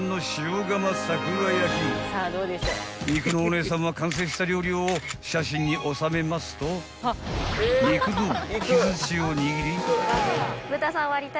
［肉のお姉さんは完成した料理を写真に収めますと肉道具木づちを握り］